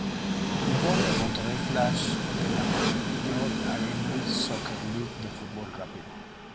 Jugó en el Monterrey Flash de la Major Arena Soccer League de fútbol rápido.